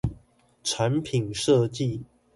產品設計